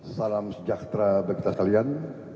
salam sejahtera bagi kita sekalian